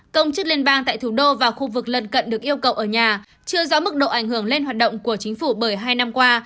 công chức liên bang tại thủ đô và khu vực lần cận được yêu cầu ở nhà chưa rõ mức độ ảnh hưởng lên hoạt động của chính phủ bởi hai năm qua